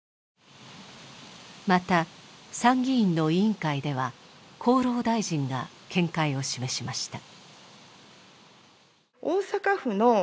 また参議院の委員会では厚労大臣が見解を示しました。